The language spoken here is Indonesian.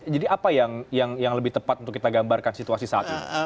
jadi apa yang lebih tepat untuk kita gambarkan situasi saat ini